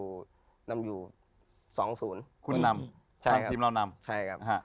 คุณนำทางทีมเรานำอเจมส์ใช่ครับ